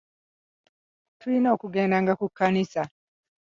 Tulina okugendanga ku kkanisa.